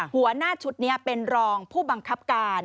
หัวหน้าชุดนี้เป็นรองผู้บังคับการ